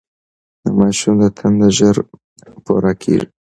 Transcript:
د ماشوم د تنده ژر پوره کړئ.